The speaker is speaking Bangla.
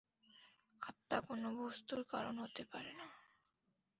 আত্মা কোন বস্তুর কারণ হতে পারে না।